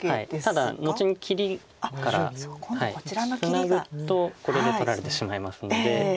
ただ後に切りからツナぐとこれで取られてしまいますので。